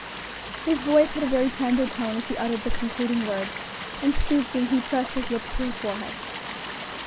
His voice had a very tender tone as he uttered the concluding words, and stooping, he pressed his lips to her forehead.